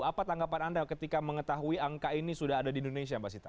apa tanggapan anda ketika mengetahui angka ini sudah ada di indonesia mbak sita